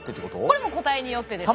これも個体によってです。